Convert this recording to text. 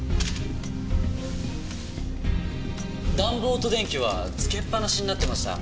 暖房と電気はつけっぱなしになってました。